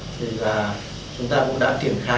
thì là chúng ta cũng đã triển khai